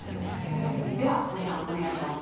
では森さんお願いします。